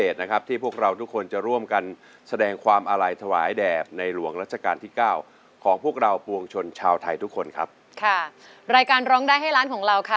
และหนุ่มชาวท่านร้องให้เราร้องได้ให้ร้านของเรา